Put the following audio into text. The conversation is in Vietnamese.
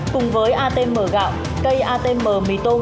cùng với atm gạo cây atm mì tôm